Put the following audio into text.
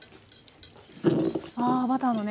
あバターのね